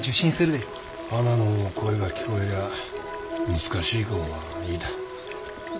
はなの声が聞こえりゃ難しいこんはいいだ。